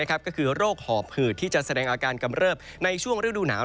ก็คือโรคหอบหืดที่จะแสดงอาการกำเริบในช่วงฤดูหนาว